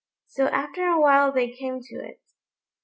So after a while they came to it.